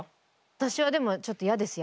私はでもちょっと嫌です